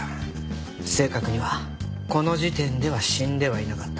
正確にはこの時点では死んではいなかった。